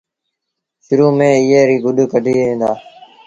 شرو ميݩ ايئي ريٚ گُڏ ڪڍين دآ۔